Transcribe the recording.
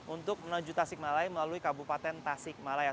untuk menuju tasikmalaya melalui kabupaten tasikmalaya